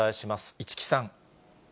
市來さん。